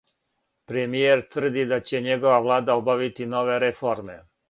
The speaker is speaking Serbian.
Премијер тврди да ће његова влада обавити нове реформе.